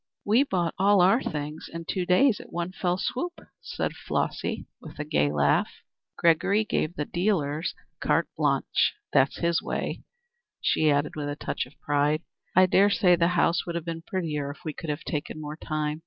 "We bought all our things in two days at one fell swoop," said Flossy with a gay laugh. "Gregory gave the dealers carte blanche. That's his way," she added with a touch of pride. "I dare say the house would have been prettier if we could have taken more time.